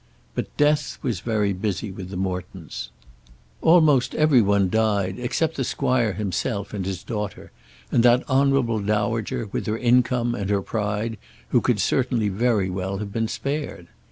But death was very busy with the Mortons. Almost every one died, except the squire himself and his daughter, and that honourable dowager, with her income and her pride who could certainly very well have been spared.